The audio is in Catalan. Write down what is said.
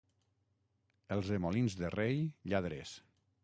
Els de Molins de Rei, lladres.